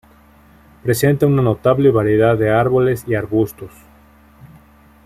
Presenta una notable variedad de árboles y arbustos.